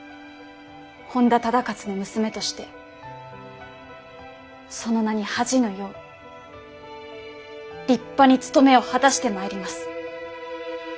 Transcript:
本多忠勝の娘としてその名に恥じぬよう立派に務めを果たしてまいります。